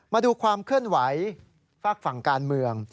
มาดูความเคลื่อนไหวฝากฝั่งการเมือง